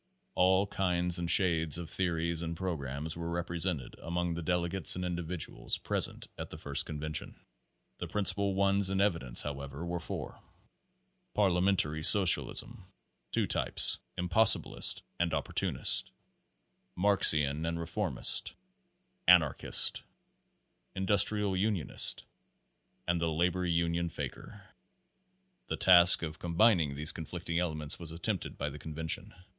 \s All kinds and shades of theories and programs were represented among the delegates and individuals pres ent at the first convention. The principal ones in evi dence, however, were four: Parliamentary socialists two types impossibilist and opportunist, Marxian and reformist ; anarchist ; industrial unionist ; and the labor union faker. The task of combining these conflicting elements was attempted by the convention.